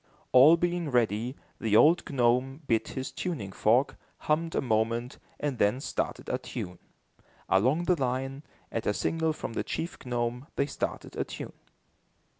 All being ready, the old gnome bit his tuning fork, hummed a moment, and then started a tune. Along the line, at a signal from the chief gnome, they started a tune.